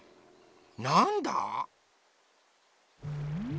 なんだ？